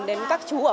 đến các chú